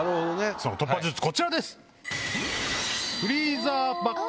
その突破術こちらです。